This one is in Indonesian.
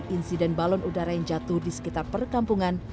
insiden balon udara yang jatuh di sekitar perkampungan